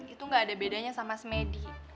itu enggak ada bedanya sama semedi